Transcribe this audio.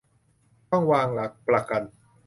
ต้องวางหลักประกัน